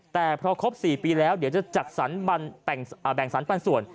แต่พอครบ๔ปีแล้วเดี๋ยวจะจัดสรรแบ่งสรรปันส่วน